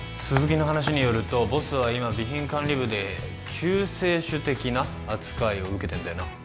鈴木の話によるとボスは今備品管理部で救世主的な扱いを受けてんだよな？